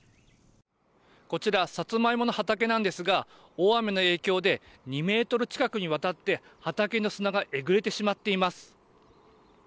こちらサツマイモの畑なんですが大雨の影響で２ｍ近くにわたって畑の砂がえぐれてしまっています。